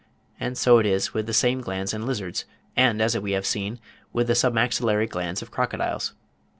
and so it is with the same glands in lizards, and as we have seen with the submaxillary glands of crocodiles.